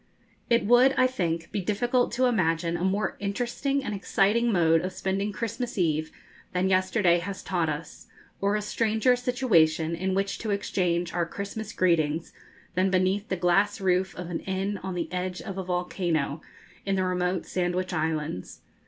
It would, I think, be difficult to imagine a more interesting and exciting mode of spending Christmas Eve than yesterday has taught us, or a stranger situation in which to exchange our Christmas greetings than beneath the grass roof of an inn on the edge of a volcano in the remote Sandwich Islands.